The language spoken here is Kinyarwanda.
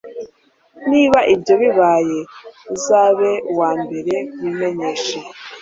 niba ibyo bibaye, uzaba uwambere kubimenyeshwa